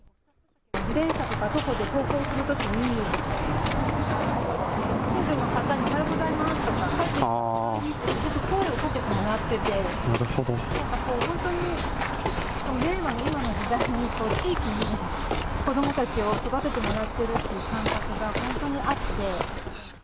自転車とか徒歩で登校するときに、いつも近所の方に、おはようございますとか、帰ってくると、おかえりとか声かけてもらってて、なんかこう、本当に、令和の今の時代に、地域に子どもたちを育ててもらってる感覚が、本当にあって。